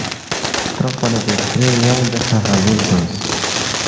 سترقپا نہ دے درے ینگ دیکھہ حاضر سونگس